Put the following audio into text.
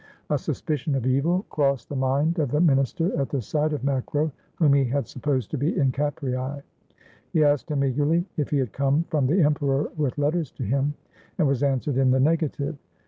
A suspicion of evil crossed the mind of the minister at the sight of Macro, whom he had supposed to be in Capreae. He asked him eagerly if he had come from the emperor with letters to him, and was answered in the negative.